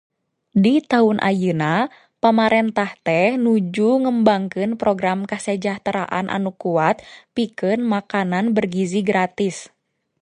Di taun ayeuna, pamarentah teh nuju ngembangkeun program kasejahteraan anu kuat pikeun makanan bergizi gratis.